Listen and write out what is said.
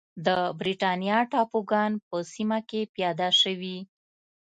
د برېټانیا ټاپوګان په سیمه کې پیاده شوې.